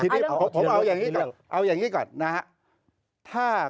ทีนี้ผมเอาอย่างนี้เอาอย่างนี้ก่อนนะครับ